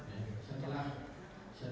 tidak tahu pak